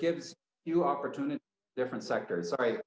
beberapa kesempatan di sektor yang berbeda